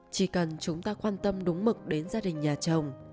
chỉ cần chúng ta quan tâm đúng mực đến gia đình nhà chồng